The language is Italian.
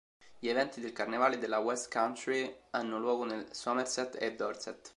Gli eventi del Carnevale della West Country hanno luogo nel Somerset e Dorset.